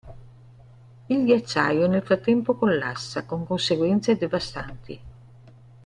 Il ghiacciaio nel frattempo collassa, con conseguenze devastanti.